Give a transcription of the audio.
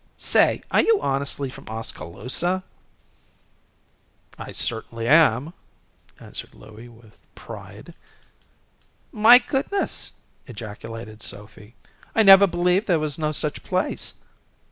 Say, are you honestly from Oskaloosa?" "I certainly am," answered Louie, with pride. "My goodness!" ejaculated Sophy. "I never believed there was no such place.